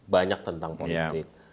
banyak tentang politik